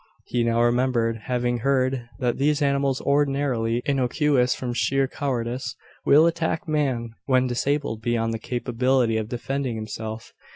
He now remembered having heard, that these animals ordinarily innocuous, from sheer cowardice will attack man when disabled beyond the capability of defending himself.